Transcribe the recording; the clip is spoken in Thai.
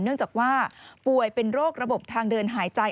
เนื่องจากว่าป่วยเป็นโรคระบบทางเดินหายใจ